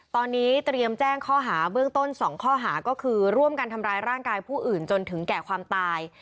ตอนนี้เตรียมแจ้งข้อหาเบื้องต้น๒ข้อหาก็คือร่วมกันทำร้ายร่างกายผู้อื่นจนถึงแก่ความตาย